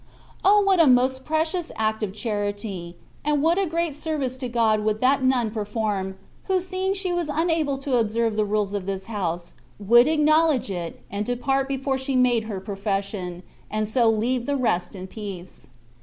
O ! what a most precious act of charity, and what a great service to God would that nun perform, who seeing she was imable to observe the rules of this house, would acknowledge it, and depart before she made her profession, and so leave the rest in peace.